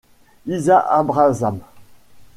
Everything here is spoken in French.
Isaac Abrahamsz.